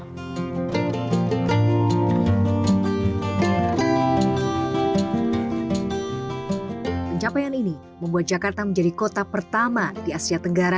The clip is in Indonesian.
pencapaian ini membuat jakarta menjadi kota pertama di asia tenggara